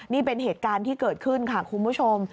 นี่เป็นเหตุการณ์ที่เกิดขึ้นค่ะคุณผู้ชม